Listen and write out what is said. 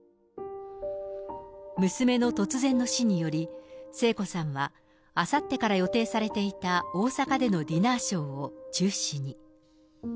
娘の突然の死により、聖子さんはあさってから予定されていた、大阪でのディナーショーを中止に。